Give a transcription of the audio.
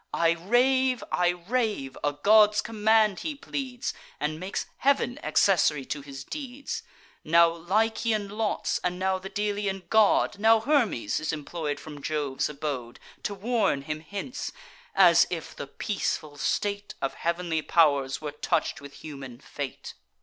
I rave, I rave! A god's command he pleads, And makes Heav'n accessary to his deeds. Now Lycian lots, and now the Delian god, Now Hermes is employ'd from Jove's abode, To warn him hence; as if the peaceful state Of heav'nly pow'rs were touch'd with human fate!